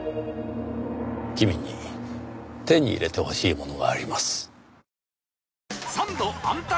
君に手に入れてほしいものがあります。